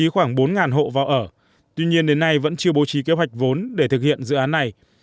khoảng bốn hộ vào ở tuy nhiên đến nay vẫn chưa bố trí kế hoạch vốn để thực hiện dự án này